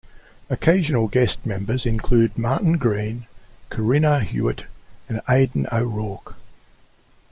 Occasional guest members include: Martin Green, Corrina Hewat and Aidan O'Rourke.